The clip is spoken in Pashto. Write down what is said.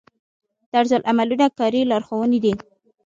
طرزالعملونه کاري لارښوونې دي